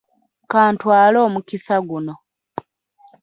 Ka ntwale omukisa guno